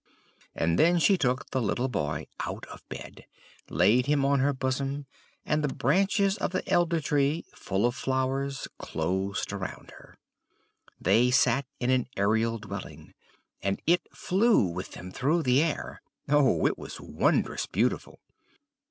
And then she took the little boy out of bed, laid him on her bosom, and the branches of the Elder Tree, full of flowers, closed around her. They sat in an aerial dwelling, and it flew with them through the air. Oh, it was wondrous beautiful!